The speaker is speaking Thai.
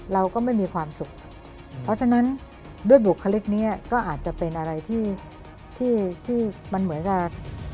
เราก็ไม่มีความสุขเพราะฉะนั้นด้วยบุคลิกนี้ก็อาจจะเป็นอะไรที่ที่มันเหมือนกับ